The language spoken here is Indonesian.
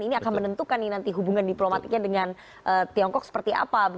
ini akan menentukan nanti hubungan diplomatiknya dengan tiongkok seperti apa